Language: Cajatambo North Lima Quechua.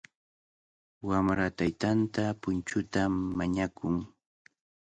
Wamra taytanta punchuta mañakun.